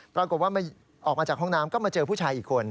ปรากฏว่าออกมาจากห้องน้ำก็มาเจอผู้ชายอีกคน